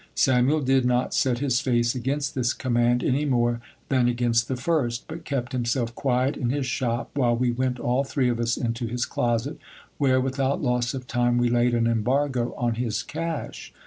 Samuel did not set his face against this command any more than against the first : but kept himself quiet in his shop, while we went all three of us into his closet, where, without loss of time, we laid an embargo on his cash.